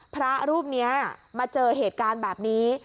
พระรูปนี้มาเจอเหตุการณ์แบบนี้